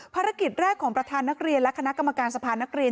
ภารกิจแรกของประธานนักเรียนและคณะกรรมการสะพานนักเรียน